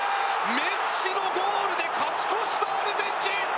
メッシのゴールで勝ち越しのアルゼンチン。